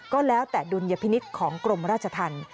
ก็แล้วแต่ดุลยพินิษฐ์ของกรมราชธรรม